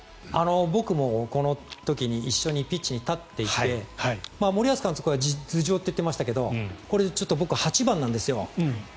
僕もこの時に一緒にピッチに立っていて森保監督は頭上って言っていましたけどこれ僕、８番なんですよ。